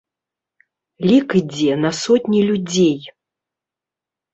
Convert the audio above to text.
Лік ідзе на сотні людзей.